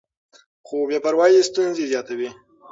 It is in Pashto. خو بې پروايي ستونزې زیاتوي.